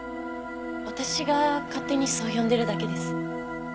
私が勝手にそう呼んでるだけです。